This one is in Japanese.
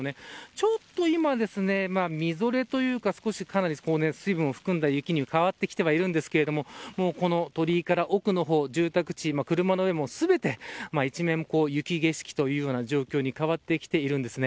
ちょっと今みぞれというか少し水分を含んだ雪に変わってきてはいるんですが鳥居から奥の方、住宅地車の上も全て、一面雪景色というような状況に変わってきているんですね。